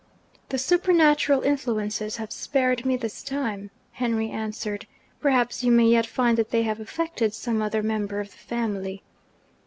'The supernatural influences have spared me, this time,' Henry answered. 'Perhaps you may yet find that they have affected some other member of the family.'